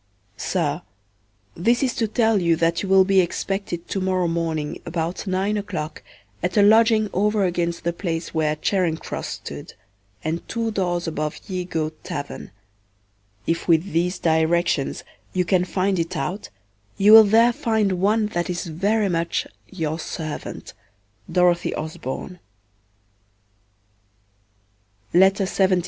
SIR, This is to tell you that you will be expected to morrow morning about nine o'clock at a lodging over against the place where Charinge Crosse stood, and two doors above Ye Goate Taverne; if with these directions you can find it out, you will there find one that is very much Your servant.